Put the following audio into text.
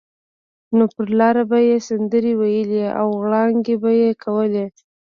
نو پر لاره به یې سندرې ویلې او غړانګې به یې کولې.